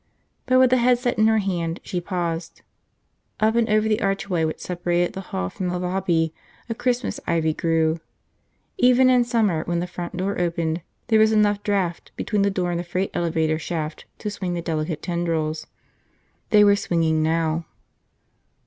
But with the headset in her hand, she paused. Up and over the archway which separated the hall from the lobby a Christmas ivy grew. Even in summer when the front door opened there was enough draft between the door and the freight elevator shaft to swing the delicate tendrils. They were swinging now.